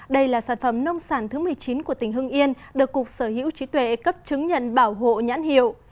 đây là sản phẩm nông sản thứ một mươi chín của tỉnh hưng yên được cục sở hữu trí tuệ cấp chứng nhận bảo hộ nhãn hiệu